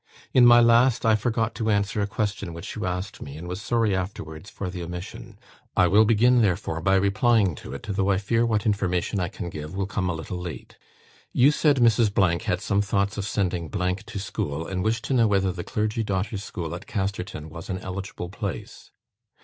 In my last, I forgot to answer a question which you asked me, and was sorry afterwards for the omission. I will begin, therefore, by replying to it, though I fear what information I can give will come a little late. You said Mrs. had some thoughts of sending to school, and wished to know whether the Clergy Daughters' School at Casterton was an eligible place.